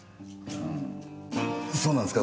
んそうなんですか？